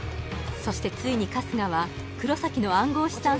そしてついに春日は黒崎の暗号資産